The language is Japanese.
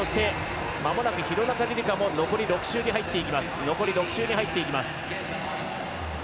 まもなく廣中璃梨佳も残り６周に入ります。